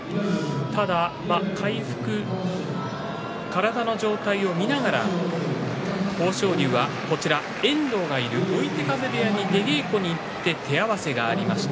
ただ回復、体の具合を見ながら豊昇龍は遠藤がいる追手風部屋に出稽古に行って手合わせがありました。